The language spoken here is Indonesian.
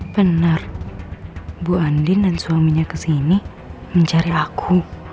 benar bu andin dan suaminya kesini mencari aku